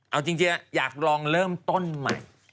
เอาจริงอยากลองเริ่มต้นใหม่